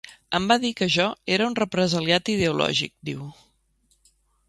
Em va dir que jo era un represaliat ideològic, diu.